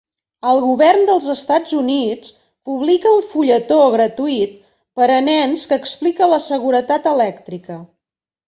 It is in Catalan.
El govern dels Estats Units publica un fulletó gratuït per a nens que explica la seguretat elèctrica.